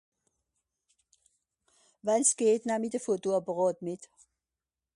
wann's geht nam'i de Photoàpàràt mìt